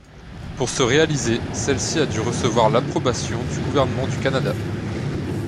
Pour se réaliser, celle-ci a dû recevoir l'approbation du gouvernement du Canada.